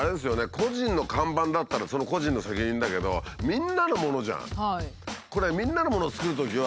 個人の看板だったらその個人の責任だけどみんなのものじゃん。